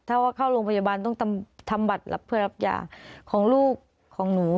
ถ้าว่าเข้าโรงพยาบาลต้องทำบัตรเพื่อรับยาของลูกของหนู